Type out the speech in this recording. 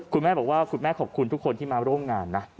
คุณแม่บอกว่าคุณแม่ขอบคุณทุกคนที่มาร่วมงานนะ